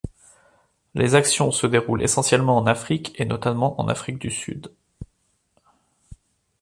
Les actions se déroulent essentiellement en Afrique et notamment en Afrique du Sud.